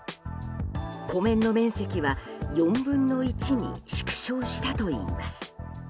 湖面の面積は４分の１に縮小したといいます。